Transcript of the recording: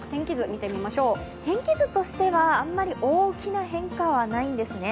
天気図としてはあんまり大きな変化はないんですね。